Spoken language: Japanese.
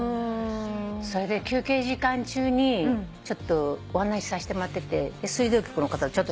それで休憩時間中にちょっとお話しさせてもらってて水道局の方とちょっとしゃべってて。